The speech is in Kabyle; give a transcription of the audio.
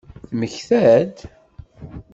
Temmekta-d?